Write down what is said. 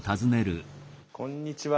こんにちは。